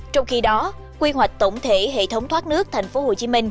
trong khi đó quy hoạch tổng thể hệ thống thoát nước tp hcm